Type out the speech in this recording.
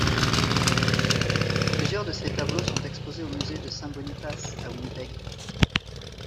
Plusieurs de ses tableaux sont exposés au Musée de Saint-Boniface à Winnipeg.